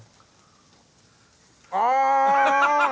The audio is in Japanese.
ああ！